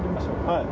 はい。